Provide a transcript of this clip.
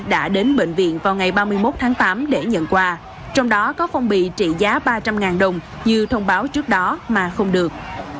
đã đến bệnh viện vào ngày ba mươi một tháng tám để nhận quà trong đó có phong bị trị giá ba trăm linh đồng như thông báo trước đó mà không được